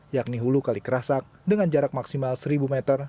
yakni hulu kali kerasak dengan jarak maksimal seribu meter